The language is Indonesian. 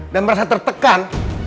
dan merasa tertekan